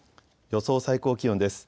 予想最高気温です。